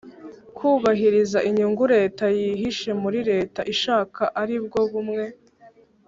kubahiriza inyungu leta yihishe muri leta ishaka aribwo bumwe